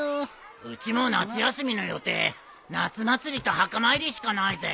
・うちも夏休みの予定夏祭りと墓参りしかないぜ。